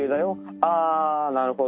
「あぁなるほど。